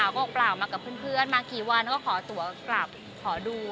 ก็บอกเปล่ามากับเพื่อนมากี่วันก็ขอตัวกลับขอดู